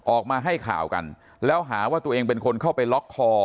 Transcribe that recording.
ออกมาให้ข่าวกันแล้วหาว่าตัวเองเป็นคนเข้าไปล็อกคอ